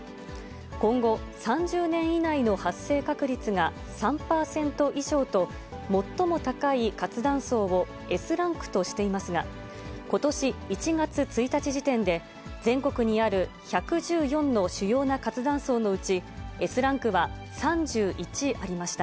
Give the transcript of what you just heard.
今後、３０年以内の発生確率が３％以上と、最も高い活断層をＳランクとしていますが、ことし１月１日時点で、全国にある１１４の主要な活断層のうち、Ｓランクは３１ありました。